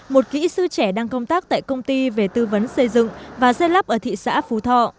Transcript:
một kỹ sư trẻ đang công tác tại công ty về tư vấn xây dựng và xây lắp ở thị xã phú thọ